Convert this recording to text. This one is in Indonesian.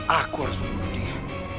aku harus membunuh dia